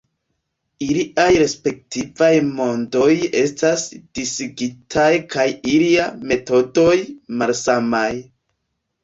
Iliaj respektivaj mondoj estas disigitaj kaj ilia metodoj malsamaj.